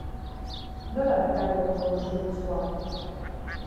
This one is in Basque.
Nola merkaturatuko duzue diskoa?